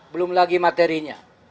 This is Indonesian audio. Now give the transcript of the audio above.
belum lagi materinya